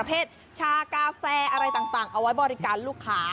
เพศชากาแฟอะไรต่างเอาไว้บริการลูกค้า